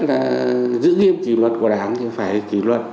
là giữ nghiêm kỷ luật của đảng thì phải kỷ luật